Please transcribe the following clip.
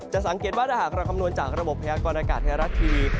สังเกตว่าถ้าหากเราคำนวณจากระบบพยากรณากาศไทยรัฐทีวี